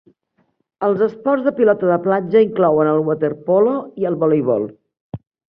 Els esports de pilota de platja inclouen el waterpolo i el voleibol.